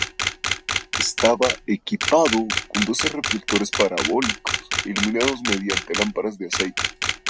Estaba equipado con doce reflectores parabólicos e iluminados mediante lámparas de aceite.